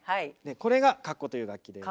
これが鞨鼓という楽器です。